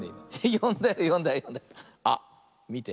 よんだよよんだよよんだよ。あっみて。